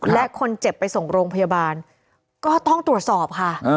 และคนเจ็บไปส่งโรงพยาบาลก็ต้องตรวจสอบค่ะ